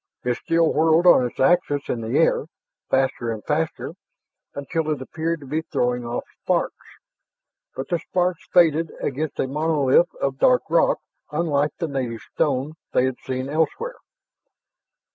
It still whirled on its axis in the air, faster and faster, until it appeared to be throwing off sparks, but the sparks faded against a monolith of dark rock unlike the native stone they had seen elsewhere.